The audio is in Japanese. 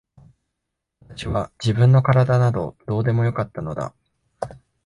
私は自分の体などどうでもよかったのだ。